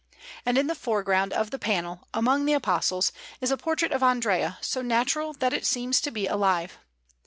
And in the foreground of the panel, among the Apostles, is a portrait of Andrea, so natural that it seems to be alive.